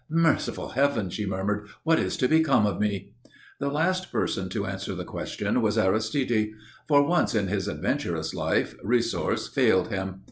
"Merciful Heaven!" she murmured. "What is to become of me?" The last person to answer the question was Aristide. For once in his adventurous life resource failed him.